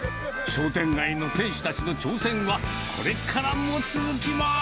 商店街の店主たちの挑戦は、これからも続きます。